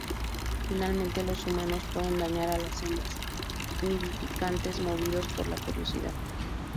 Finalmente, los humanos pueden dañar a las hembras nidificantes movidos por la curiosidad.